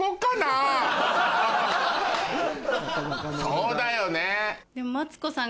そうだよね。